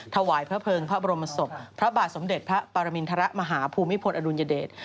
ถวายพระเภิงพระบรมศพพระบาทสมเด็จพระปรมินทรมาฮภูมิพลอดุลยเดช